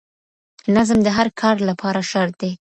نظم د هر کار لپاره شرط دی.